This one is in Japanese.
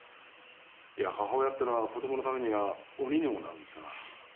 母親ってのは子供のためには鬼にもなるんですな。